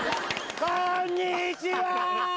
こんにちは！